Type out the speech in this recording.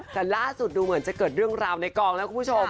แต่ล่าสุดดูเหมือนจะเกิดเรื่องราวในกองแล้วคุณผู้ชม